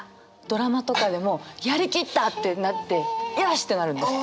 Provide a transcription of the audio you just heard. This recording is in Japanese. ドラマとかでもやり切った！ってなってよしってなるんです。